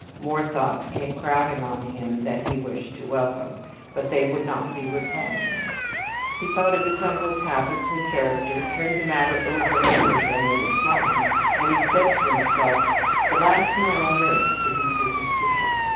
More thoughts came crowding on him than he wished to welcome, but they would not be repulsed. He thought of his uncle's habits and character, turned the matter over and over again in his mind, and he said to himself, "The last man on earth to be superstitious.